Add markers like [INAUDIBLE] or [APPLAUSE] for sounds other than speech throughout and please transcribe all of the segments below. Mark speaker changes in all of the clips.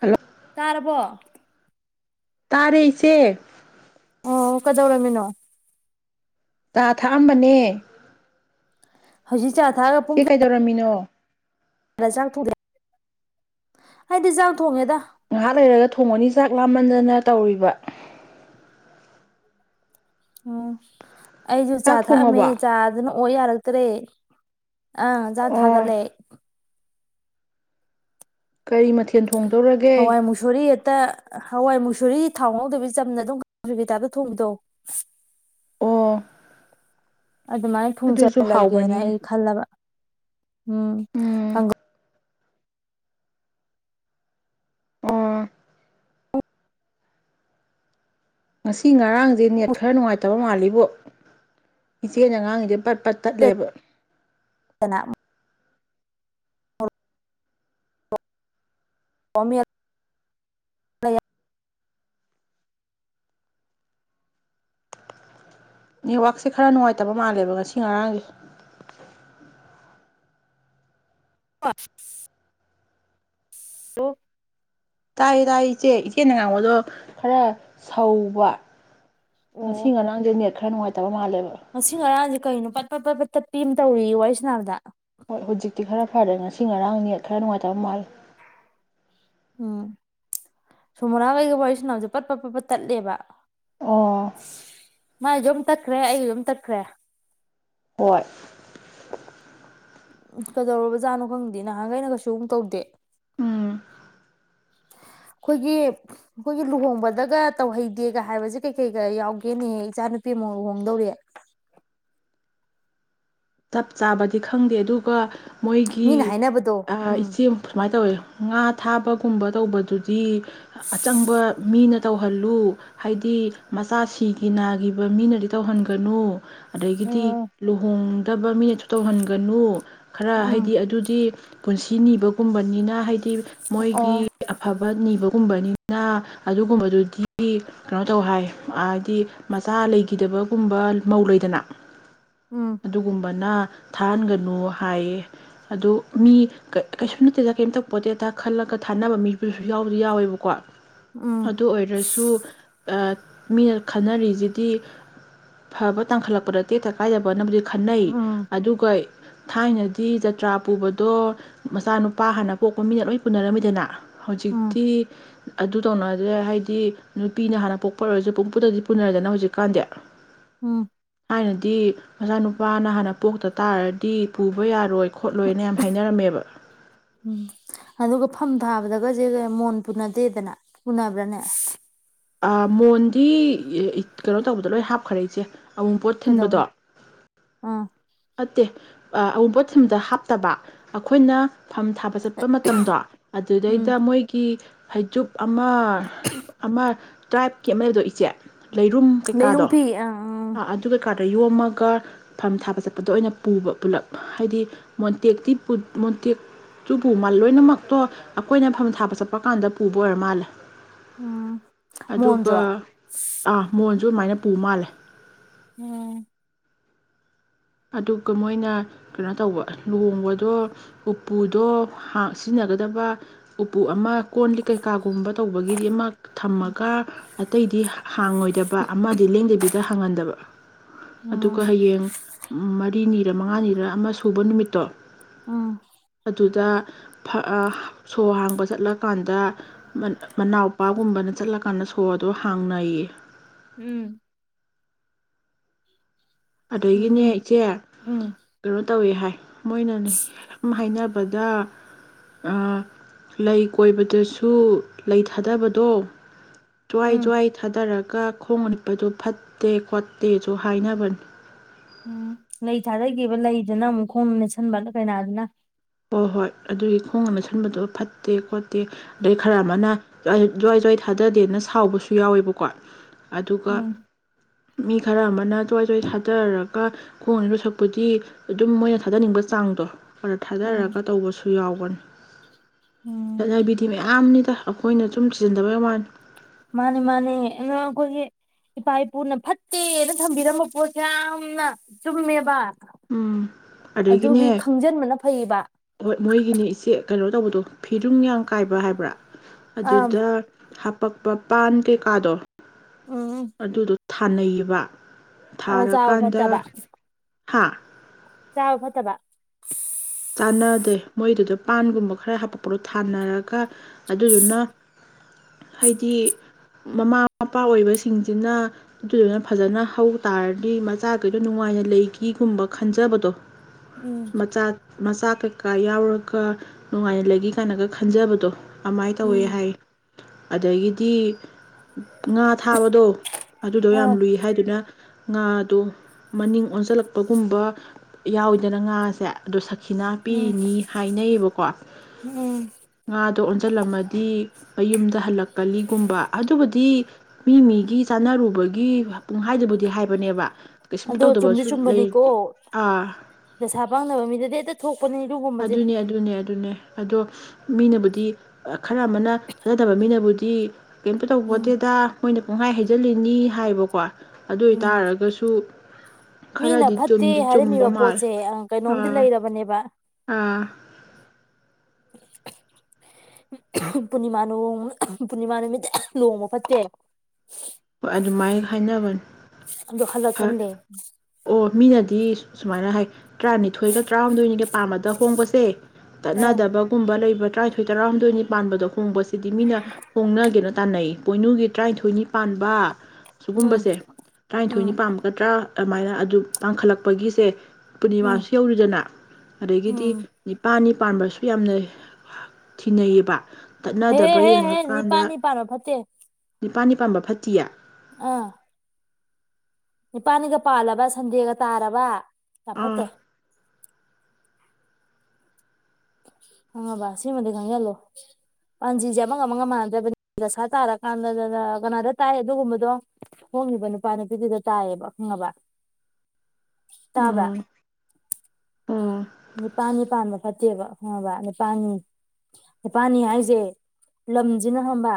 Speaker 1: hello
Speaker 2: ꯇꯥꯔꯕꯣ
Speaker 1: ꯇꯥꯔꯦꯁꯦ
Speaker 2: ꯑꯣ ꯀꯗꯧꯔꯃꯤꯅꯣ
Speaker 1: ꯆꯥ ꯊꯛꯑꯝꯕꯅꯦ
Speaker 2: ꯍꯧꯖꯤ
Speaker 1: ꯏꯆꯦ ꯀꯩꯗꯧꯔꯝꯃꯤꯅꯣ
Speaker 2: [UNINTELLIGIBLE] ꯑꯩꯗꯤ ꯆꯥꯡ ꯊꯣꯡꯉꯦꯗ
Speaker 1: ꯂꯥꯃꯟꯗꯅ ꯇꯧꯔꯤꯕ
Speaker 2: ꯑꯣ ꯑꯩꯁꯨ ꯆꯥ
Speaker 1: ꯆꯥꯛ
Speaker 2: ꯊꯥ ꯃ
Speaker 1: ꯊꯣꯡꯉꯕ
Speaker 2: ꯆꯥꯗꯅ ꯑꯣ ꯌꯥꯔꯛꯇ꯭ꯔꯦ ꯑꯥ ꯆꯥꯠ
Speaker 1: ꯑꯣ
Speaker 2: ꯍꯥꯏꯂꯦ
Speaker 1: ꯀꯔꯤ ꯃꯊ
Speaker 2: ꯍꯋꯥꯏ ꯃꯁꯨꯔꯤ ꯑꯠꯇ ꯍꯋꯥꯏ ꯃꯨꯁꯨꯨꯔꯤꯗꯤ ꯊꯥꯎ ꯉꯧꯗꯕꯤ ꯆꯝꯅ ꯑꯗꯨꯝꯒꯦ ꯇꯗ ꯊꯣꯡꯕꯗꯣ
Speaker 1: ꯑꯣ
Speaker 2: ꯑꯗꯨꯃꯥꯏꯅ
Speaker 1: ꯑꯗꯨꯁꯨ
Speaker 2: ꯊꯨꯡꯖꯜꯂꯒꯦꯅ
Speaker 1: ꯍꯥꯎꯕꯅꯤꯅꯦ
Speaker 2: ꯑꯩ ꯈꯜꯂꯕ ꯎꯝ
Speaker 1: ꯎꯝ ꯑꯣ ꯉꯁꯤ ꯉꯔꯥꯡꯁꯦ ꯅꯦꯠ ꯈꯔ ꯅꯨꯡꯉꯥꯏꯇꯕ ꯃꯥꯜꯂꯤꯕꯣ ꯏꯆꯦꯅꯉꯥꯡꯁꯤꯗꯦꯠ ꯄꯠꯇꯂꯦꯕ
Speaker 2: [INAUDIBLE]
Speaker 1: ꯅꯦꯠꯋꯥꯛꯛꯁꯦ ꯈꯔ ꯅꯨꯡꯉꯥꯏꯇꯕ ꯃꯥꯜꯂꯦꯕ ꯉꯁꯤ ꯉꯔꯥꯡꯁ
Speaker 2: ꯑꯐ ꯇ
Speaker 1: ꯇꯥꯏ ꯇꯥꯏ ꯏꯆꯦ ꯏꯆꯦꯅ ꯉꯥꯡꯕꯗꯣ ꯈꯔ ꯁꯧꯕ ꯑꯁꯤꯡ ꯉ ꯂꯥꯡꯗꯅꯤ ꯈꯔꯥ ꯅꯨꯉꯥꯏꯇꯕ
Speaker 2: ꯉꯥꯁꯤ ꯉꯔꯥꯡꯁꯦ ꯀꯩꯅꯣ ꯄꯠ ꯄꯠ ꯇꯠꯄꯤ ꯑꯃ ꯇꯧꯔꯤ ꯋꯥꯔꯤ ꯁꯥꯅꯕꯗ
Speaker 1: ꯍꯣꯏ ꯍꯧꯖꯤꯛꯇꯤ ꯈꯔ ꯐꯔꯦ ꯉꯁꯤ ꯉꯔꯥꯡ ꯅꯦꯠ ꯈꯔ ꯅꯨꯡꯉꯥꯏꯇꯕ ꯃꯥꯜꯂꯤ
Speaker 2: ꯎꯝ ꯁꯨꯃꯣꯔꯥꯈꯩꯒ ꯋꯥꯔꯤ ꯁꯥꯅꯕꯁꯦ ꯄꯠ ꯄꯠ ꯄꯠ ꯇꯠꯂꯦꯕ
Speaker 1: ꯑꯣ
Speaker 2: ꯃꯥꯥꯏꯗꯨꯝ ꯇꯠꯈ꯭ꯔꯦ ꯑꯩꯗꯨꯝ ꯇꯠꯈ꯭ꯔꯦ
Speaker 1: ꯍꯣꯏ
Speaker 2: ꯀꯩꯗꯧꯔꯕꯖꯥꯠꯅꯣ ꯈꯪꯗꯦ ꯅꯍꯥꯟꯈꯩꯅ ꯀꯩꯁꯨꯝ ꯇꯧꯗꯦ
Speaker 1: ꯎꯝ
Speaker 2: ꯑꯩꯈꯣꯏꯒꯤ ꯑꯩꯈꯣꯏꯒꯤ ꯂꯨꯍꯣꯡꯕꯗꯒ ꯇꯧꯍꯩꯗꯦꯒ ꯍꯥꯏꯕꯁꯦ ꯀꯩ ꯀꯩꯒ ꯌꯥꯎꯒꯦꯅꯦꯍꯦ ꯏꯆꯥ ꯅꯨꯨꯄꯤ ꯑꯃ ꯂꯨꯍꯣꯡꯗꯧꯔꯤ
Speaker 1: ꯆꯞ ꯆꯥꯕꯗꯤ ꯈꯪꯗꯦ ꯑꯗꯨꯒ ꯃꯣꯏꯒꯤ
Speaker 2: ꯃꯤꯅ ꯍꯥꯏꯅꯕꯗꯣ ꯎꯝ
Speaker 1: ꯏꯆꯦ ꯁꯨꯃꯥꯏꯅ ꯇꯧꯋꯦ ꯉꯥ ꯊꯥꯕ ꯨ ꯇꯧꯕꯗꯨꯗꯤ ꯑꯆꯪꯕ ꯃꯤꯅ ꯇꯧꯍꯜꯂꯨ ꯍꯥꯏꯗꯤ ꯃꯆꯥꯁꯤꯒꯤ ꯅꯥꯈꯤꯕ ꯃꯤꯅꯗꯤ ꯇꯧꯍꯟꯒꯅꯨ ꯑꯗꯒꯤꯗꯤ
Speaker 2: ꯎꯝ
Speaker 1: ꯂꯨꯍꯣꯡ ꯇꯕ ꯃꯤꯅꯁꯨ ꯇꯧꯍꯟꯒꯅꯨ ꯈꯔ
Speaker 2: ꯎꯝ
Speaker 1: ꯍꯥꯏꯗꯤ ꯑꯗꯨꯗꯤ ꯄꯨꯟꯁꯤ ꯅꯤꯕꯒꯨꯝꯕꯅꯤꯅ ꯍꯥꯏꯗꯤ ꯃꯣꯏꯒꯤ
Speaker 2: ꯑꯣ
Speaker 1: ꯑꯐꯕ ꯅꯤ ꯒꯨꯝꯕꯅꯤꯅ ꯑꯗꯨꯒꯨꯝꯕꯗꯨꯗꯤ ꯀꯩꯅꯣ ꯇꯧ ꯍꯥꯏ ꯍꯥꯏꯗꯤ ꯃꯆꯥ ꯂꯩꯈꯤꯗꯕꯒꯨꯝꯕ ꯃꯧ ꯂꯩꯗꯅ
Speaker 2: ꯎꯝ
Speaker 1: ꯑꯗꯨꯒꯨꯝꯕꯅ ꯊꯥꯍꯟꯒꯅꯨ ꯍꯥꯏꯌꯦ ꯑꯗꯣ ꯃꯤ ꯀꯩꯁꯨ ꯅꯠꯇꯦꯗ ꯀꯩꯝ ꯇꯧꯄꯣꯠꯇꯦꯗ ꯈꯜꯂꯒ ꯊꯥꯅꯕ ꯃꯤꯕꯨꯁꯨ ꯌꯥꯎꯗꯤ ꯌꯥꯎꯋꯦꯕꯀꯣ
Speaker 2: ꯎꯝ
Speaker 1: ꯑꯗꯨ ꯑꯣꯏꯔꯁꯨ ꯃꯤꯅ ꯈꯟꯅꯔꯤꯁꯤꯗꯤ ꯐꯕ ꯇꯥꯡꯈꯠꯂꯛꯄꯗ ꯇꯦꯛꯇ ꯀꯥꯏꯗꯕꯅꯕꯨꯗꯤ ꯈꯟꯅꯩ
Speaker 2: ꯎꯝ
Speaker 1: ꯑꯗꯨꯒ ꯊꯥꯏꯅꯗꯤ ꯖꯇ꯭ꯔꯥ ꯄꯨꯕꯗꯣ ꯃꯆꯥꯅꯨꯄꯥ ꯍꯥꯟꯅ ꯄꯣꯛꯄ ꯃꯤꯅ ꯂꯣꯏ ꯄꯨꯅꯔꯝꯃꯤꯗꯅ
Speaker 2: ꯎꯝ
Speaker 1: ꯍꯧꯖꯤꯛꯇꯤ ꯑꯗꯨ ꯇꯧꯅꯔꯗ꯭ꯔꯦ ꯍꯥꯏꯗꯤ ꯅꯨꯄꯤꯅ ꯍꯥꯟꯅ ꯄꯣꯛꯄ ꯑꯣꯏꯔꯁꯨ ꯄꯨꯡꯄꯨꯗꯗꯤ ꯄꯨꯅꯔꯦꯗꯅ ꯍꯧꯖꯤꯛꯀꯥꯟꯗꯤ
Speaker 2: ꯎꯝ
Speaker 1: ꯊꯥꯏꯅꯗꯤ ꯃꯆꯥꯅꯨꯄꯥ ꯄꯥꯥꯅ ꯍꯥꯟꯅ ꯄꯣꯛꯇ ꯇꯥꯔꯗꯤ ꯄꯨꯕ ꯌꯥꯔꯣꯏ ꯈꯣꯠꯂꯣꯏꯅ ꯌꯥꯝ ꯍꯥꯏꯅꯔꯝꯃꯦꯕ
Speaker 2: ꯎꯝ ꯑꯗꯨꯒ ꯐꯝ ꯊꯥꯕꯗꯒꯁꯦ ꯃꯣꯟ ꯄꯨꯅꯗꯦꯗꯅ ꯄꯨꯅꯕ꯭ꯔꯥꯅꯦ
Speaker 1: ꯃꯣꯟꯗꯤ ꯀꯩꯅꯣ ꯇꯧꯕꯗ ꯂꯣꯏ ꯍꯥꯞꯈꯔꯦ ꯏꯆꯦ ꯑꯋꯨꯟꯄꯣꯠ ꯊꯤꯟꯕꯗꯣ
Speaker 2: ꯀꯩꯗꯧꯕꯅꯣ ꯑꯥ
Speaker 1: ꯅꯠꯇꯦ ꯑꯋꯨꯟꯄꯣꯠ ꯊꯤꯟꯕꯗ ꯍꯥꯞꯇꯕ ꯑꯩꯈꯣꯏꯅ ꯐꯝ ꯊꯥꯕ ꯆꯠꯄ ꯃꯇꯝꯗꯣ
Speaker 2: ꯎꯝ
Speaker 1: ꯑꯗꯨꯗꯩꯗ ꯃꯣꯏꯒꯤ ꯐꯩꯖꯨꯞ ꯑꯃ ꯑꯃ ꯇ꯭ꯔꯥꯏꯞꯀꯤ ꯑꯃꯗꯣ ꯏꯆꯦ ꯂꯩꯔꯨꯝ
Speaker 2: ꯂꯩꯔꯨꯡ
Speaker 1: ꯀꯩꯀꯥꯗꯣ
Speaker 2: ꯐꯤ ꯑꯥ ꯎꯝ
Speaker 1: ꯑꯗꯨ ꯀꯩꯀꯥꯔꯗ ꯌꯣꯝꯃꯒ ꯐꯝ ꯊꯥꯕ ꯆꯠꯄꯗ ꯑꯣꯏꯅ ꯄꯨꯕ ꯄꯨꯂꯞ ꯍꯥꯏꯗꯤ ꯃꯣꯟꯇꯦꯛꯇꯤ ꯃꯣꯟꯇꯦꯛꯇꯨ ꯄꯨ ꯃꯥꯜꯂꯦ ꯂꯣꯏꯅꯃꯛꯇꯣ ꯑꯩꯈꯣꯏꯅ ꯐꯝ ꯊꯥꯕ ꯆꯠꯄ ꯀꯥꯟꯗ ꯄꯨꯕ ꯑꯣꯏꯔ ꯃꯥꯜꯂꯦ
Speaker 2: ꯎꯝ ꯃꯣꯟꯁꯨ
Speaker 1: ꯑꯗꯨꯒ ꯑꯃꯣꯟꯣꯟ ꯑꯗꯨ ꯑꯗꯨꯃꯥꯏꯅ ꯄꯨ ꯃꯥꯜꯂꯦ
Speaker 2: ꯎꯝ
Speaker 1: ꯑꯗꯨꯒ ꯃꯣꯏꯅ ꯀꯩꯅꯣ ꯇꯧꯕ ꯂꯨꯍꯣꯡꯕꯗꯣ ꯎꯄꯨꯗꯣ ꯁꯤꯖꯤꯟꯅꯒꯗꯕ ꯎꯄꯨ ꯑꯃ ꯀꯣꯟꯂꯤ ꯀꯩꯀꯥꯒꯨꯝꯕ ꯇꯧꯕꯒꯤꯗꯤꯃꯛ ꯊꯝꯃꯒ ꯑꯇꯩꯗꯤ ꯍꯥꯡꯉꯣꯏꯗꯕ ꯑꯃꯗꯤ ꯂꯦꯡꯗꯕꯤꯗ ꯐꯪꯍꯟꯗꯕ
Speaker 2: ꯎꯝ
Speaker 1: ꯑꯗꯨꯒ ꯍꯌꯦꯡ ꯃꯔꯤꯅꯤꯔ ꯃꯉꯥꯅꯤꯔ ꯑꯃ ꯁꯨꯕ ꯅꯨꯃꯤꯠꯇꯣ
Speaker 2: ꯑꯥ
Speaker 1: ꯑꯗꯨꯗ ꯁꯣ ꯍꯥꯡꯕ ꯆꯠꯂꯀꯥꯟꯗ ꯃꯅꯥꯎꯄꯥꯒꯨꯝꯕꯅ ꯆꯠꯂꯀꯥꯟꯗ ꯁꯣꯗꫭ ꯍꯥꯡꯅꯩꯌꯦ
Speaker 2: ꯎꯝ
Speaker 1: ꯑꯗꯨꯗꯒꯤꯅꯦ
Speaker 2: ꯎꯝ
Speaker 1: ꯏꯆꯦ
Speaker 2: ꯎꯝ
Speaker 1: ꯀꯩꯅꯣ ꯇꯧꯋꯦ ꯍꯥꯏ ꯃꯣꯏꯅꯅꯤ ꯍꯥꯏ ꯗ ꯂꯩ ꯀꯣꯏꯕꯗꯁꯨ ꯂꯩ ꯊꯥꯗꯕꯗꯣ ꯖ꯭ꯋꯥꯏ
Speaker 2: ꯎꯝ
Speaker 1: ꯖ꯭ꯋꯥꯏ ꯊꯥꯗꯔꯛ ꯀ ꯈꯣꯡꯠꯄꯗꯨ ꯐꯠꯇꯦ ꯈꯣꯠꯇꯦꯁꯨ ꯍꯥꯏꯅꯕꯅꯤ
Speaker 2: ꯎꯝ ꯂꯩ ꯊꯥꯖꯈꯤꯕ ꯂꯩꯗꯨꯅ ꯑꯃꯨꯛ ꯈꯣꯡ ꯃꯦꯠꯁꯤꯟꯕ ꯀꯩꯅꯥꯗꯨꯅ
Speaker 1: ꯍꯣꯏ ꯍꯣꯏ ꯑꯗꯨꯒꯤ ꯈꯣꯡꯅ ꯁꯟꯕꯗꯣ ꯐꯠꯇꯦ ꯈꯣꯠꯇꯦ ꯑꯗꯩ ꯈꯔ ꯑꯃꯅ ꯖꯋꯥꯏ ꯖ꯭ꯋꯥꯏ ꯊꯥꯗꯗꯦꯅ ꯁꯥꯎꯕꯁꯨ ꯌꯥꯎꯋꯦꯕꯀꯣ ꯑꯗꯨꯒ
Speaker 2: ꯎꯝ
Speaker 1: ꯃꯤ ꯈꯔ ꯑꯃꯅ ꯁꯣꯏ ꯊꯥꯗꯔꯒ ꯈꯣꯡ ꯑꯅꯤꯔꯣ ꯁꯛꯄꯨꯗꯤ ꯑꯗꯨꯝ ꯃꯣꯏꯅ ꯊꯥꯗꯅꯤꯡꯕ ꯆꯥꯡꯗꯣ
Speaker 2: ꯎꯝ
Speaker 1: ꯊꯥꯗꯔꯒ ꯇꯧꯕꯁꯨ ꯌꯥꯎꯋꯤ
Speaker 2: ꯎꯝ
Speaker 1: ꯑꯣꯟ ꯖꯥꯏꯕꯤꯗꯤꯤ ꯃꯝꯅꯤ ꯑꯩꯈꯣꯏꯅ ꯁꯨꯝ ꯆꯤꯖꯟꯅꯗꯕꯩ ꯋꯥꯅꯤ
Speaker 2: ꯃꯥꯅꯤ ꯃꯥꯅꯦ ꯑ ꯑꯩꯈꯣꯏꯒꯤ ꯏꯄꯥ ꯏꯄꯨꯅ ꯐꯠꯇꯦꯅ ꯊꯝꯕꯤꯔꯝꯕ ꯄꯣꯠꯁꯦ ꯌꯥꯝꯅ ꯆꯨꯝꯃꯦꯕ
Speaker 1: ꯎꯝ
Speaker 2: ꯑꯗꯨꯒꯤ
Speaker 1: ꯑꯗꯨꯗꯒꯤꯅꯦ
Speaker 2: ꯈꯪꯖꯟꯕꯅ ꯐꯩꯌꯦꯕ
Speaker 1: ꯍꯣꯏ ꯃꯣꯏꯒꯤꯅꯦ ꯏꯆꯦ ꯀꯩꯅꯣ ꯇꯧꯕꯗꯣ ꯐꯤꯔꯨꯡꯌꯥꯡ ꯀꯥꯏꯕ ꯍꯥꯏꯕ꯭ꯔꯥ
Speaker 2: ꯑꯥ
Speaker 1: ꯑꯗꯨꯗ ꯍꯥ ꯄꯛꯄ ꯄꯥꯟ ꯀꯩꯀꯥꯗꯣ
Speaker 2: ꯎꯝ
Speaker 1: ꯑꯗꯨ ꯑꯗꯨ ꯑꯗꯨ ꯊꯥꯅꯩꯕ
Speaker 2: ꯑꯣ ꯆꯥꯕ ꯐꯠꯇꯕ
Speaker 1: ꯍꯥꯥ
Speaker 2: ꯆꯥꯕ ꯐꯠꯇꯕ
Speaker 1: ꯀꯥꯟꯅꯗꯦ ꯃꯣꯏꯗꯨꯗ ꯄꯥꯟꯒꯨꯝꯕ ꯈꯔ ꯍꯥꯄꯛꯄꯗꯣ ꯊꯥꯅꯔꯒ ꯑꯗꯨꯗꯨꯅ ꯍꯥꯏꯗꯤ ꯃꯃꯥ ꯃꯄꯥ ꯑꯣꯏꯕꯁꯤꯡꯁꯤꯅ ꯑꯗꯨꯗꯨꯅ ꯐꯖꯅ ꯍꯧ ꯇꯥꯔꯗꯤ ꯃꯆꯥꯈꯩꯗꯣ ꯅꯨꯡꯉꯥꯏꯅ ꯂꯩꯈꯤꯒꯨꯝꯕ ꯈꯟꯖꯕꯗꯣ
Speaker 2: ꯎꯝ
Speaker 1: ꯃꯆꯥ ꯃꯆꯥ ꯀꯩꯀꯥ ꯌꯥꯎꯔꯒ ꯅꯨꯡꯉꯥꯏꯅ ꯂꯩꯒ ꯀꯥꯏꯅꯒ ꯈꯟꯖꯕꯗꯣ ꯑꯗꯨꯃꯥꯏꯅ ꯇꯧꯋꯤ
Speaker 2: ꯎꯝ
Speaker 1: ꯍꯥꯏ ꯑꯗꯒꯤꯗꯤ ꯉꯥ ꯊꯥꯕꯗꯣ ꯑꯗꯨꯗꯣ ꯌꯥꯝ
Speaker 2: ꯑꯥ
Speaker 1: ꯂꯨꯏ ꯍꯥꯏꯗꯨꯅ ꯉꯥꯗꯣ ꯃꯅꯤꯡ ꯑꯣꯟꯁꯤꯜꯂꯛꯄꯒꯨꯝꯕ ꯌꯥꯎꯋꯤꯗꯅ ꯉꯥꯁꯦ ꯑꯗꯨ ꯁꯛ ꯈꯤꯅꯥ
Speaker 2: ꯎꯝ
Speaker 1: ꯄꯤꯔꯤꯅꯤ ꯍꯥꯏꯅꯩꯌꯦꯕꯀꯣ
Speaker 2: ꯎꯝ
Speaker 1: ꯉꯥꯗꯣ ꯏꯆꯜ ꯑꯃꯗꯤ ꯃꯌꯨꯝꯗ ꯍꯜꯂꯛꯀꯂꯤꯒꯨꯝꯕ ꯑꯗꯨꯕꯨꯗꯤ ꯃꯤ ꯃꯤꯒꯤ ꯆꯥꯟꯅꯔꯨꯕꯒꯤ ꯒꯤ ꯄꯨꯡꯍꯥꯏꯗꯨꯕꯨꯗꯤ ꯍꯥꯏꯕꯅꯦꯕ ꯀꯩꯁꯨꯝ
Speaker 2: ꯑꯗꯣ ꯆꯨꯝꯗꯤ
Speaker 1: ꯇꯧꯗꯕꯁꯨ ꯂꯩꯦ
Speaker 2: ꯆꯨꯝꯕꯅꯤꯀꯣ
Speaker 1: ꯑꯥ
Speaker 2: ꯗꯁꯥ ꯄꯥꯡꯗꯕ ꯃꯤꯗꯗꯤ ꯍꯦꯛꯇ ꯊꯣꯛꯄꯅꯤ ꯑꯗꯨꯒꯨꯝꯕꯁꯦ
Speaker 1: ꯑꯗꯨꯅꯦ ꯑꯗꯨꯅꯦ ꯑꯗꯨꯅꯦ ꯑꯗꯣ ꯃꯤꯅꯕꯨꯗꯤ ꯈꯔ ꯑꯃꯅ ꯐꯖꯗꯕ ꯃꯤꯅꯕꯨꯗꯤ ꯇ ꯀꯩꯇ
Speaker 2: ꯎꯝ
Speaker 1: ꯇꯧꯕꯣꯠꯇꯦꯗ ꯃꯣꯏꯅ ꯍꯥꯏ ꯍꯩꯖꯤꯜꯂꯤꯅꯤ ꯍꯥꯏꯕꯀꯣ ꯑꯗꯨ
Speaker 2: ꯎꯝ
Speaker 1: ꯑꯣꯏꯇꯥꯔꯒꯁꯨ
Speaker 2: ꯃꯤꯅ
Speaker 1: ꯈꯔꯗꯤ
Speaker 2: ꯐꯠꯇꯦ
Speaker 1: ꯆꯨꯝꯗꯤ ꯆꯨꯝꯕ
Speaker 2: ꯍꯥꯏꯔꯝꯃꯤꯕ
Speaker 1: ꯃꯥꯜꯂꯦ
Speaker 2: ꯄꯣꯠꯁꯦ ꯀꯩꯅꯣꯝꯗꯤ
Speaker 1: ꯑꯥ
Speaker 2: ꯂꯩꯔꯕꯅꯦꯕ
Speaker 1: ꯑꯥ
Speaker 2: ꯄꯨꯔꯅꯤꯃꯥ ꯅ ꯄꯨꯔꯅꯤꯃꯥ ꯅꯨꯃꯤꯠ ꯂꯨꯍꯃ ꯐꯠꯇꯦ
Speaker 1: ꯍꯣꯏ ꯑꯗꯨꯃꯥꯏꯅ ꯍꯥꯏꯅꯕꯅꯤ
Speaker 2: ꯑꯗꯣ
Speaker 1: ꯐꯔꯦ
Speaker 2: ꯍꯜꯂꯛꯀꯅꯤꯂꯦ
Speaker 1: ꯑꯣ ꯃꯤꯅꯗꯤ ꯁꯨꯃꯥꯏꯅ ꯍꯥꯏ ꯇꯔꯥꯅꯤꯊꯣꯏꯒ ꯇꯔꯥꯍꯨꯝꯗꯣꯏꯅꯤꯒ ꯄꯥꯝꯃꯗ ꯍꯣꯡꯕꯁꯦ
Speaker 2: ꯑꯥ
Speaker 1: ꯇꯠꯅꯗꯕꯒꯨꯝꯕ ꯂꯩꯕ ꯇꯔꯥꯊꯣꯏꯔꯥꯍꯨꯝꯗꯣꯏꯅꯤ ꯄꯥꯟꯕꯗꯣ ꯍꯣꯡꯕꯁꯤꯗꯤ ꯃꯤꯅ ꯍꯣꯡꯅꯒꯦꯅ ꯇꯥꯟꯅꯩ ꯄꯣꯏꯅꯨꯒꯤ ꯇꯔꯥꯅꯤꯊꯣꯏꯅꯤ ꯄꯥꯟꯕ
Speaker 2: ꯎꯝ
Speaker 1: ꯁꯨꯒꯨꯝꯕꯁꯦ
Speaker 2: ꯎꯝ
Speaker 1: ꯇꯔꯥꯅꯤꯊꯣꯏꯅꯤ ꯄꯥꯝꯃꯒ ꯇꯔꯥ ꯑꯗꯨꯃꯥꯏꯅ ꯑꯗꯨꯝ ꯇꯥꯡꯈꯠꯂꯛꯄꯒꯤꯁꯦ
Speaker 2: ꯎꯝ
Speaker 1: ꯄꯨꯔꯅꯤꯃꯥꯁꯨ ꯌꯧꯔꯤꯗꯅ ꯑꯗꯒꯤꯗꯤ
Speaker 2: ꯎꯝ
Speaker 1: ꯅꯤꯄꯥꯅꯤ ꯄꯥꯟꯕꯁꯨ ꯌꯥꯝꯅ ꯊꯤꯅꯩꯌꯦꯕ
Speaker 2: ꯍꯦ
Speaker 1: ꯇꯠꯅꯗꯕ
Speaker 2: ꯍꯦ ꯍꯦ ꯅꯤꯄꯥꯥꯟ
Speaker 1: ꯌꯦꯡꯉꯀꯥꯟꯗ
Speaker 2: ꯅꯤꯄꯥꯅꯣ ꯐꯠꯇꯍ
Speaker 1: ꯅꯤꯄꯥꯅꯤ ꯄꯥꯟꯕꯝꯕ ꯐꯇꯤꯌꯥ
Speaker 2: ꯑꯥ ꯅꯤꯄꯥꯅꯤꯒ ꯄꯥꯜꯂꯕ ꯁꯟꯗꯦꯒ ꯇꯥꯔꯕ
Speaker 1: ꯑꯥ
Speaker 2: ꯇꯃꯠꯇꯦ ꯈꯪꯉꯕ ꯁꯤꯃꯗꯤ ꯈꯪꯖꯜꯂꯣ ꯄꯥꯟꯖꯤꯁꯦ ꯑꯃꯒ ꯑꯃꯒ ꯃꯥꯟꯅꯗ꯭ꯔꯕꯅꯤ ꯗꯁꯥ ꯇꯥꯔꯀꯥꯟꯗ ꯀꯅꯥꯗ ꯇꯥꯏ ꯑꯗꯨꯒꯨꯝꯕꯗꯣ ꯍꯣꯡꯉꯤꯕ ꯅꯨꯄꯥ ꯅꯨꯄꯤꯗꯨꯗ ꯇꯥꯏꯌꯦꯕ ꯈꯪꯉꯕ ꯇꯥꯕ꯭ꯔ
Speaker 1: ꯑꯣ ꯑꯣ
Speaker 2: ꯅꯤꯄꯥꯅꯤ ꯄꯥꯟꯕ ꯐꯠꯇꯦꯕ ꯈꯪꯉꯕ ꯅꯨꯅꯤꯄꯥꯅꯤ ꯅꯤꯄꯥꯅꯤ ꯍꯥꯏꯁꯦ ꯂꯝꯁꯤꯅ ꯍꯪꯕ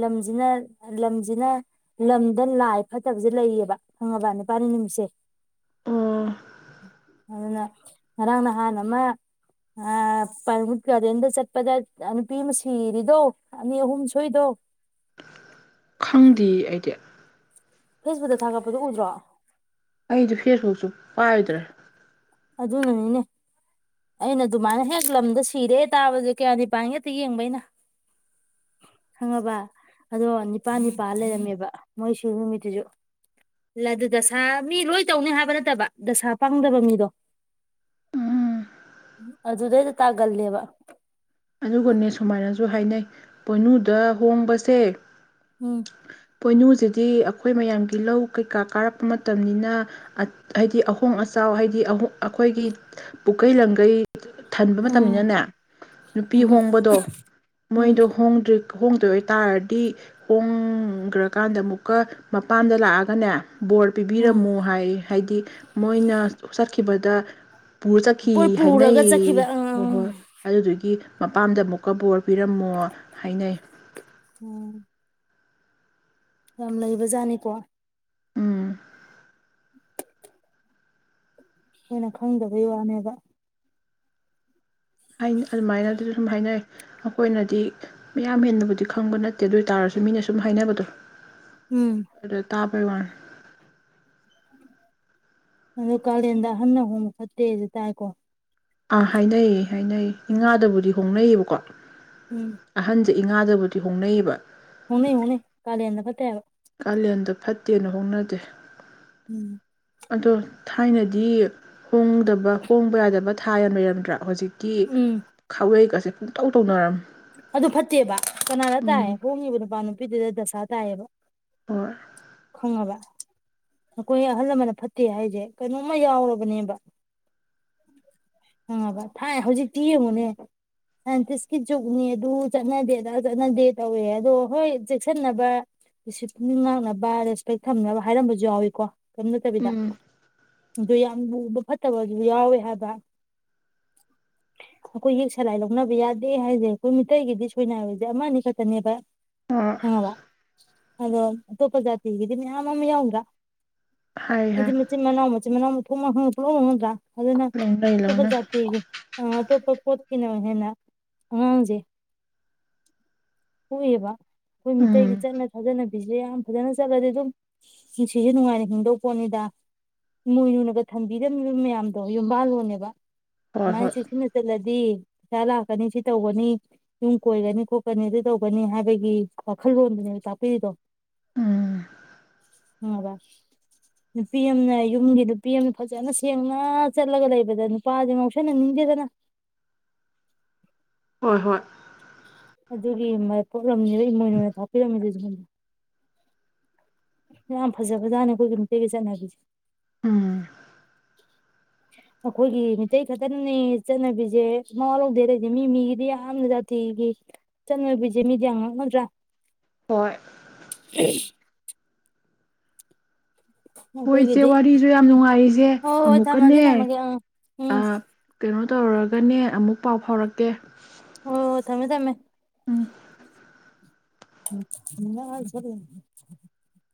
Speaker 2: ꯂꯝꯁꯤꯅ ꯂꯝꯁꯤꯅ ꯂꯝꯗ ꯂꯥꯏ ꯐꯠꯇꯕꯁꯦ ꯂꯩꯌꯦꯕ ꯈꯪꯉꯕ ꯅꯨꯄꯥꯅꯤ ꯅꯨꯃꯤꯠꯁꯦ
Speaker 1: ꯑꯣ
Speaker 2: ꯑꯗꯨꯅ ꯉꯔꯥꯡ ꯅꯍꯥꯟ ꯑꯃ ꯄꯨꯠ ꯒꯥꯔꯗꯦꯟꯗ ꯆꯠꯄꯗ ꯅꯨꯄꯤ ꯑꯃ ꯁꯤꯔꯤꯗꯣ ꯑꯅꯤ ꯑꯍꯨꯝ ꯁꯣꯏꯗꯣ
Speaker 1: ꯈꯪꯗꯦ ꯑꯩꯗꯤ
Speaker 2: ꯐꯦꯁꯕꯨꯛꯇ ꯊꯥꯒꯠꯄꯗꯨꯣ ꯎꯗ꯭ꯔꯣ
Speaker 1: ꯑꯩꯁꯨ ꯐꯦꯁꯕꯨꯛꯁꯨ ꯄꯥꯏꯗ꯭ꯔꯦ
Speaker 2: ꯑꯗꯨꯅꯅꯤꯅꯦ ꯑꯩꯅ ꯑꯗꯨꯃꯥꯏꯅ ꯍꯦꯛ ꯂꯝꯗ ꯁꯤꯔꯦ ꯇꯥꯕꯁ ꯀꯌꯥꯅꯤꯄꯥꯟ ꯍꯦꯛꯇ ꯌꯦꯡꯕꯩꯅ ꯈꯪꯉꯕ ꯑꯗꯣ ꯅꯤꯄꯥ ꯅꯤꯄꯥ ꯂꯩꯔꯝꯃꯦꯕ ꯃꯣꯏ ꯁꯤ ꯅꯨꯃꯤꯠꯇꯨꯁꯨ ꯑꯗꯨ ꯗꯁꯥ ꯃꯤ ꯂꯣꯏ ꯇꯧꯅꯤ ꯍꯥꯏꯕ ꯅꯠꯇꯕ ꯗꯁꯥ ꯄꯥꯡꯗꯕ ꯃꯤꯗꯣ ꯑꯗꯨꯗꯩꯗ ꯇꯥꯒꯜꯂꯦꯕ
Speaker 1: ꯑꯗꯨꯒꯅꯦ ꯁꯨꯃꯥꯏꯅꯁꯨ ꯍꯥꯏꯅꯩ ꯄꯣꯏꯅꯨꯗ ꯍꯣꯡꯕꯁꯦ
Speaker 2: ꯎꯝ
Speaker 1: ꯀꯣꯏꯅꯨꯁꯤꯗꯤ ꯑꯩꯈꯣꯏ ꯃꯌꯥꯝꯒꯤ ꯂꯧ ꯀꯩꯀꯥ ꯀꯥꯔꯛꯄ ꯃꯇꯝꯅꯤꯅ ꯍꯥꯏꯗꯤ ꯑꯍꯣꯡ ꯑꯆꯥꯎ ꯍꯥꯏꯗꯤ ꯑꯩꯈꯣꯏꯒꯤ ꯄꯨꯀꯩ ꯂꯒꯩ ꯊꯟꯕ
Speaker 2: ꯎꯝ
Speaker 1: ꯃꯇꯝꯅꯤꯅꯅꯦ ꯅꯨꯄꯤ
Speaker 2: ꯎꯝ
Speaker 1: ꯍꯣꯡꯕꯗꯣ
Speaker 2: ꯎꯝ
Speaker 1: ꯃꯣꯏꯗꯣ ꯍꯣꯡꯗ꯭ꯔꯤ ꯍꯣꯡꯗꯣꯏꯇꯥꯔꯗꯤ ꯍꯣꯡꯈ꯭ꯔꯀꯥꯟꯗ ꯑꯃꯨꯛꯀ ꯃꯄꯥꯟꯗ ꯂꯥꯛꯑꯒꯅꯦ ꯕꯣꯔ
Speaker 2: ꯎꯝ
Speaker 1: ꯄꯤꯕꯤꯔꯝꯃꯣ ꯍꯥꯏ ꯍꯥꯏꯗꯤ ꯃꯣꯏꯅ ꯆꯠ ꯈꯤꯕꯗ ꯄꯨꯔ ꯆꯠꯈꯤ
Speaker 2: ꯄꯣꯏ ꯄꯨꯔꯒ ꯆꯠꯈꯤꯕ
Speaker 1: ꯍꯥꯏꯅꯩ ꯍꯣꯏ
Speaker 2: ꯎꯝ
Speaker 1: ꯍꯣꯏ ꯑꯗꯨꯗꯨꯒꯤ ꯀ ꯃꯄꯥꯝꯗ ꯑꯃꯨꯛꯀꯕꯣꯔ ꯄꯤꯔꯝꯃꯣ ꯍꯥꯏꯅꯩ
Speaker 2: ꯎꯝ ꯌꯥꯝ ꯂꯩꯕ ꯖꯥꯠꯅꯤꯀꯣ
Speaker 1: ꯎꯝ
Speaker 2: ꯑꯩꯣꯏꯅ ꯈꯪꯗꯕꯩ ꯋꯥꯅꯦꯕ
Speaker 1: ꯍꯥꯏ ꯑꯗꯨꯃꯥꯏꯅ ꯑꯗꯨꯗ ꯁꯨꯝ ꯍꯥꯏꯅꯩ ꯑꯩꯈꯣꯏꯅꯗꯤ ꯃꯌꯥꯝ ꯍꯦꯟꯅꯕꯨꯗꯤ ꯈꯪꯕ ꯅꯠꯇꯦ ꯑꯗꯨ ꯑꯣꯏ ꯇꯥꯔꯁꯨ ꯃꯤꯅ ꯁꯨꯝ ꯍꯥꯏꯅꯕꯗꯣ
Speaker 2: ꯎꯝ
Speaker 1: ꯑꯗꯨꯗ ꯇ ꯄꯣꯏ ꯋꯥꯟ
Speaker 2: ꯑꯗꯣ ꯀꯥꯂꯦꯟꯗ ꯑꯍꯟꯅ ꯑꯍꯨꯝ ꯐꯛꯇꯦꯁꯨ ꯇꯥꯏꯀꯣ
Speaker 1: ꯑꯥ ꯍꯥꯏꯅꯩꯌꯦ ꯍꯥꯏꯅꯩ ꯏ
Speaker 2: ꯎꯝ
Speaker 1: ꯉꯥꯗꯕꯨꯗꯤ ꯍꯣꯡꯅꯩꯌꯦꯕꯀꯣ ꯀꯠ
Speaker 2: ꯎꯝ
Speaker 1: ꯁꯤ ꯏꯉꯥꯗꯕꯨꯗꯤ ꯍꯣꯡꯅꯩꯌꯦꯕ
Speaker 2: ꯍꯨꯅꯦ ꯍꯨꯅꯦ ꯀꯥꯂꯤꯌꯥꯦꯟꯗ ꯐꯠꯇꯕ
Speaker 1: ꯀꯥꯂꯦꯟꯗ ꯐꯠꯇꯦꯅ ꯍꯣꯡꯅꯗꯦ
Speaker 2: ꯎꯝ
Speaker 1: ꯑꯗꯣ ꯊꯥꯏꯅꯗꯤ ꯍꯣꯡꯗꯕ ꯍꯣꯡꯕ ꯌꯥꯗꯕ ꯊꯥ ꯌꯥꯝꯟ ꯂꯩ ꯂꯩꯔꯝꯗ꯭ꯔꯥ ꯍꯧꯖꯤꯛꯇ ꯀ
Speaker 2: ꯎꯝ
Speaker 1: ꯈꯥꯎꯦ ꯀꯁꯦ ꯇꯧ ꯇꯧꯅꯔꯝꯃꯦ
Speaker 2: ꯑꯗꯨ ꯐꯠꯇꯦꯕ ꯀꯅꯥꯅ ꯇꯥꯏꯌꯦ
Speaker 1: ꯎꯝ
Speaker 2: ꯍꯣꯡꯉꯤꯕ ꯅꯨꯄꯥ ꯅꯨꯄꯤꯗꯨꯗ ꯗꯁꯥ ꯇꯥꯏꯌꯦꯕ
Speaker 1: ꯑꯣꯣꯔ
Speaker 2: ꯐꯪꯉꯕ ꯅꯈꯣꯏ ꯑꯍꯜ ꯂꯃꯟꯅ ꯐꯠꯇꯦ ꯍꯥꯏꯁꯦ ꯀꯩꯅꯣꯝꯃ ꯌꯥꯎꯔꯕꯅꯦꯕ ꯍꯪꯉꯕ ꯊꯥꯏ ꯍꯧꯖꯤꯛꯇꯤ ꯌꯦꯡꯉꯨꯅꯦ ꯁꯥꯏꯟꯇꯤꯁꯀꯤ ꯖꯨꯛꯅꯦ ꯑꯗꯨ ꯆꯠꯅꯗꯦꯗ ꯆꯠꯅꯗꯦ ꯇꯧꯋꯦ ꯑꯗꯣ ꯍꯣꯏ ꯆꯦꯛꯁꯤꯟꯅꯕ ꯗꯤꯁꯤꯄ꯭ꯂꯤꯟ ꯉꯥꯛꯅꯕ ꯔꯦꯁꯄꯦꯛ ꯊꯝꯅꯕ ꯍꯥꯏꯔꯝꯕꯁꯨ ꯌꯥꯎꯏꯤꯀꯣ ꯀꯝ ꯆꯕꯤꯗ
Speaker 1: ꯎꯝ
Speaker 2: ꯑꯗꯨ ꯌꯥꯝ ꯂꯨꯕ ꯐꯠꯇꯕꯁꯨ ꯌꯥꯎꯋꯦ ꯍꯥꯏꯕ ꯑꯩꯈꯣꯏ ꯍ ꯁꯂꯥꯏ ꯂꯧꯅꯕ ꯌꯥꯗꯦ ꯍꯥꯏꯁꯦ ꯑꯩꯈꯣꯏ ꯃꯤꯇꯩꯒꯤꯗꯤ ꯁꯣꯏꯅꯥꯔꯕꯁꯦ ꯑꯃ ꯑꯅꯤ ꯈꯛꯇꯅꯦꯕ
Speaker 1: ꯍꯣꯏ
Speaker 2: ꯍꯣꯏꯕ ꯑꯗꯣ ꯑꯇꯣꯞꯄ ꯖꯥꯇꯤꯒꯤꯗꯤ ꯃꯌꯥꯝ ꯑꯃ ꯌꯥꯎꯕ꯭ꯔꯥ
Speaker 1: ꯍꯥꯏ ꯍꯥꯏ
Speaker 2: ꯅꯣꯏꯗꯤ ꯃꯆꯤꯟ ꯃꯅꯥꯎ ꯃꯆꯤꯟ ꯃꯥꯅꯥꯎ [UNINTELLIGIBLE] ꯑꯗꯨꯗꯅ
Speaker 1: ꯂꯧꯅꯩ ꯂꯧꯅꯩ
Speaker 2: ꯁꯕꯖꯥꯇꯤ ꯑꯇꯣꯞꯄ ꯄꯣꯠꯀꯤꯅ ꯍꯦꯟꯅ ꯑꯉꯥꯡꯁꯦ ꯄꯣꯛꯑꯦꯕ ꯑꯩꯈꯣꯏ ꯃꯤꯇꯩꯒꯤ
Speaker 1: ꯎꯝ
Speaker 2: ꯆꯠꯅ ꯁꯥꯥꯖꯅꯕꯤꯁꯦ ꯌꯥꯝ ꯐꯖꯅ ꯆꯠꯂꯗꯤ ꯑꯗꯨꯝ ꯅꯨꯡꯁꯤꯁꯦ ꯅꯨꯡꯉꯥꯏꯅ ꯍꯤꯡꯗꯧ ꯄꯣꯠꯅꯤꯗ ꯏꯣꯏꯅꯨꯅꯒ ꯊꯝꯕꯤꯔꯝꯃꯤꯕ ꯃꯌꯥꯝꯗꯣ ꯌꯨꯝꯕꯥꯜꯂꯣꯅꯦꯕ
Speaker 1: ꯍꯣꯏ ꯍꯣꯏ
Speaker 2: ꯃꯥꯥꯏꯁꯨꯁꯤꯅ ꯆꯂ ꯗꯤ ꯄꯩꯁꯥ ꯂꯥꯛꯀꯅꯤ ꯁꯤ ꯇꯧꯒꯅꯤ ꯌꯨꯝ ꯀꯣꯏꯒꯅꯤ ꯈꯣꯠꯀꯅꯤ ꯑꯗꯨ ꯇꯧꯒꯅꯤ ꯍꯥꯏꯕꯒꯤ ꯋꯥꯈꯜꯂꯣꯟꯗꯨꯅꯦꯕ ꯇꯥꯛꯄꯤꯔꯤꯗꯣ
Speaker 1: ꯎꯝ
Speaker 2: ꯅꯨꯄꯤ ꯑꯃꯅ ꯌꯨꯝꯒꯤ ꯅꯨꯄꯤ ꯑꯃꯅ ꯐꯖꯅ ꯁꯦꯡꯅ ꯆꯠꯂꯒ ꯂꯩꯕꯗ ꯇꯥꯗꯤ ꯉꯥꯎꯁꯤꯟꯅꯅꯤꯡꯗꯦꯗꯅ
Speaker 1: ꯍꯣꯏ ꯍꯣꯏ
Speaker 2: ꯑꯗꯨꯒꯤ ꯃ ꯂꯝꯁꯤꯗ ꯏꯃꯣꯏꯅꯨꯅ ꯊꯥꯛꯄꯤꯔꯝꯂꯤꯁꯤꯅꯤ ꯌꯥꯝ ꯐꯖ ꯐꯖꯥꯅꯤ ꯑꯩꯈꯣꯏꯒꯤ ꯃꯤꯇꯩꯒꯤ ꯆꯠꯅꯕꯤꯁꯦ
Speaker 1: ꯎꯝ
Speaker 2: ꯑꯩꯈꯣꯏꯒꯤ ꯃꯤꯇꯩ ꯈꯛꯇꯅꯤ ꯆꯠꯅꯕꯤꯁꯦ ꯃꯥ ꯂꯧꯗꯦ ꯂꯩꯁꯦ ꯃꯤ ꯃꯤꯒꯤꯗꯤ ꯌꯥꯝꯅ ꯖꯥꯇꯤꯒꯤ ꯆꯠꯅꯕꯤꯁꯦ ꯃꯤꯗꯤ ꯌꯥꯝ ꯉꯛꯅꯗ꯭ꯔꯥ
Speaker 1: ꯍꯣꯏ ꯍꯣꯏ ꯏꯆꯦ
Speaker 2: ꯑꯩꯈꯣꯏꯒꯤꯗꯤ
Speaker 1: ꯋꯥꯔꯤꯁꯨ ꯌꯥꯝ ꯅꯨꯡꯉꯥꯏ ꯏꯆꯦ
Speaker 2: ꯍꯣꯏ ꯍꯣꯏ
Speaker 1: ꯑꯃꯨꯛꯀꯅꯦ
Speaker 2: ꯊꯝꯃꯒꯦ ꯊꯝꯃꯒꯦ ꯑꯥ ꯎꯝ
Speaker 1: ꯀꯩꯅꯣ ꯇꯧꯔꯒꯅꯦ ꯑꯃꯨꯛ ꯄꯥꯎ ꯐꯥꯎꯔꯛꯀꯦ
Speaker 2: ꯑꯣ ꯊꯃꯦ ꯊꯃꯦ
Speaker 1: ꯎꯝ
Speaker 2: [INAUDIBLE]